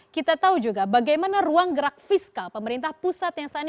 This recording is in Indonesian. kita tahu juga bagaimana ruang gerak fiskal pemerintah pusat yang saat ini